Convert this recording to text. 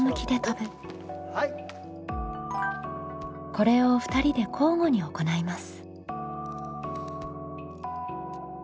これを２人で交互に行います。